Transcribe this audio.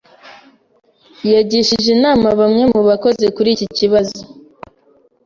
[S] Yagishije inama bamwe mu bakozi kuri iki kibazo.